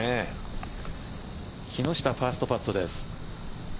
木下、ファーストパットです。